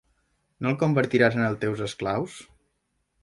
No els convertiràs en els teus esclaus?